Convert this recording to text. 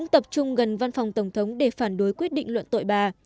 tập trung gần văn phòng tổng thống để phản đối quyết định luận tội bà